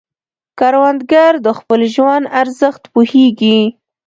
کروندګر د خپل ژوند ارزښت پوهیږي